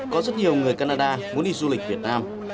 có rất nhiều người canada muốn đi du lịch việt nam